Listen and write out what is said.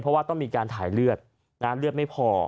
เพราะว่าต้องมีการถ่ายเลือดน้ำเลือดเลือดไม่พอ